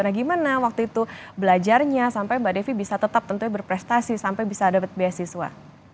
nah gimana waktu itu belajarnya sampai mbak devi bisa tetap tentunya berprestasi sampai bisa dapat beasiswa